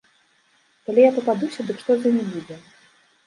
Калі я пападуся, дык што з імі будзе?